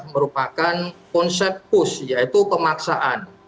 merupakan konsep push yaitu pemaksaan